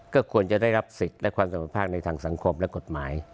ก็ควรจะได้รับสิทธิ์และความเสมอภาคในทางสังคมและกฎหมาย